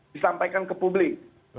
disampaikan ke publik